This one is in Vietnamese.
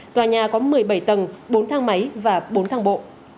tòa nhà có một mươi bảy tầng bốn thang máy và bốn thang bộ